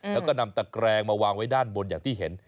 แล้วก็นำตะแกรงมาวางไว้ด้านบนอย่างที่เห็น